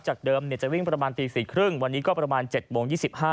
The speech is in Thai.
เดิมจะวิ่งประมาณตี๔๓๐วันนี้ก็ประมาณ๗โมง๒๕